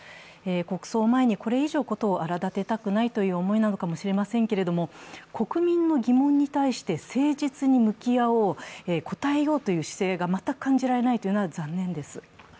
国葬を前にこれ以上、事を荒立てたくないという思いなのかもしれませんけれども、国民の疑問に対して誠実に向き合おう、応えようという姿勢が全く感じられないのは残念です。